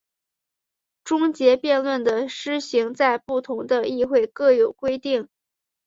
终结辩论的施行在不同的议会各有规定。